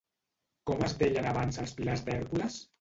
Com es deien abans els pilars d'Hèrcules?